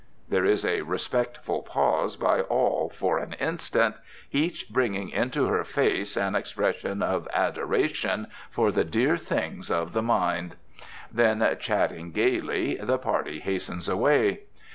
There is a respectful pause by all for an instant, each bringing into her face an expression of adoration for the dear things of the mind. Then, chatting gaily, the party hastens away.